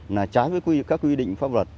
là trái với các quy định pháp luật